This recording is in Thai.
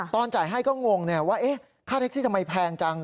ตอนจ่ายให้ก็งงว่าค่าแท็กซี่ทำไมแพงจัง